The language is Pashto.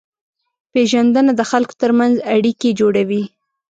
پېژندنه د خلکو ترمنځ اړیکې جوړوي.